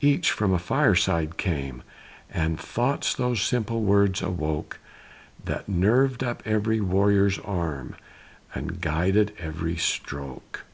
Each from a fireside came, and thoughts Those simple words awoke That nerved up every warrior's arm And guided every stroke.